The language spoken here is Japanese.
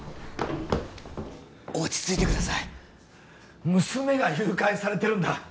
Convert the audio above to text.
落ち着いてください娘が誘拐されてるんだ